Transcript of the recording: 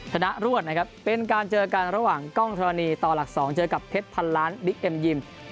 รวดนะครับเป็นการเจอกันระหว่างกล้องธรณีต่อหลัก๒เจอกับเพชรพันล้านบิ๊กเอ็มยิม